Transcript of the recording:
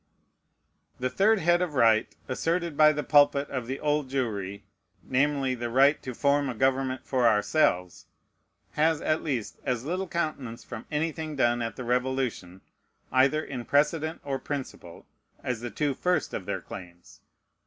The third head of right asserted by the pulpit of the Old Jewry, namely, the "right to form a government for ourselves," has, at least, as little countenance from anything done at the Revolution, either in precedent or principle, as the two first of their claims.